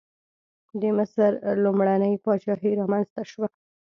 د مصر لومړنۍ پاچاهي رامنځته شوه.